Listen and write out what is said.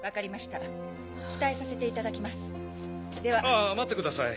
あぁ待ってください。